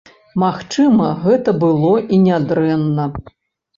Магчыма, гэта было і нядрэнна.